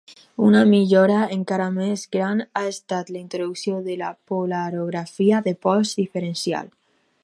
Una millora encara més gran ha estat la introducció de la polarografia de pols diferencial.